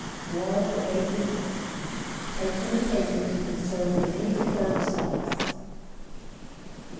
Broil for eight minutes. Take from the papers and serve with any preferred sauce.